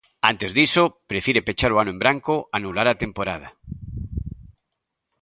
Antes diso, prefire pechar o ano en branco, anular a temporada.